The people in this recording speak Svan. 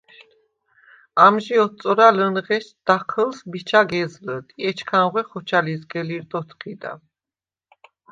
ამჟი ოთწორა ლჷნღეშდ დაჴჷლს მიჩა გეზლჷდ ი ეჩქანღვე ხოჩა ლიზგე-ლირდ’ ოთჴიდა.